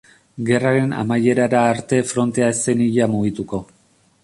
Gerraren amaierara arte frontea ez zen ia mugituko.